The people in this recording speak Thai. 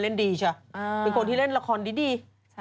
เป็นคนที่เล่นละครดิดี